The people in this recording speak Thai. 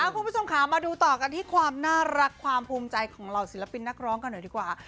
คุณผู้ชมค่ะมาดูต่อกันที่ความน่ารักความภูมิใจของเหล่าศิลปินนักร้องกันหน่อยดีกว่า